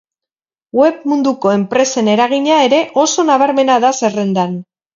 Web munduko enpresen eragina ere oso nabarmena da zerrendan.